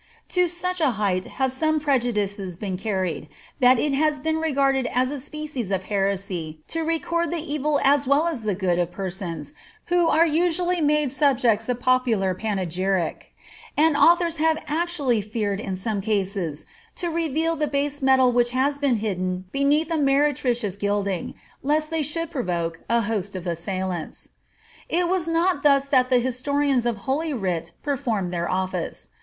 To such a height have some prejudices been carried, that it has been regarded as a species of heresy to record the evil as well as the good of persons who are usually made subjects of popular panegyric ; and authors have actually feared in some cases to reveal the base metal which has been hidden beneath a meretricious gilding, lest they should provoke a host of assailants. It was not thus that the historians of holy writ performed their office.